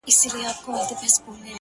په ځان وهلو باندې خپل غزل ته رنگ ورکوي ـ